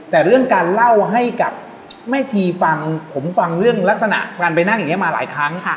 แต่เรื่องการเล่าให้กับแม่ชีฟังผมฟังเรื่องลักษณะการไปนั่งอย่างนี้มาหลายครั้ง